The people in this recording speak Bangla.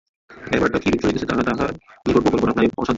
ব্যাপারটা কিরূপ চলিতেছে তাহা তাঁহার নিকট গোপন করা প্রায় অসাধ্য হইবে।